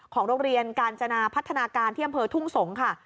โรงเรียนกาญจนาพัฒนาการที่อำเภอทุ่งสงศ์ค่ะ